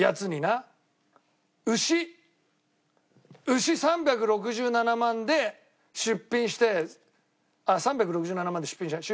牛３６７万で出品して３６７万で出品じゃない。